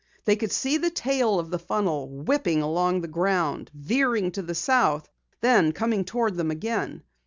They could see the tail of the funnel whipping along the ground, veering to the south, then coming toward them again.